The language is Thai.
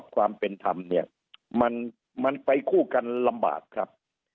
ความเป็นธรรมเนี่ยมันไปคู่กันลำบากครับ